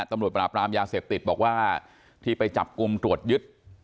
ตำรวจปราบรามยาเสพติดบอกว่าที่ไปจับกลุ่มตรวจยึด